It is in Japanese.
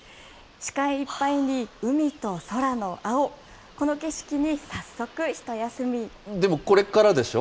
視界いっぱいに海と空の青、でも、これからでしょ？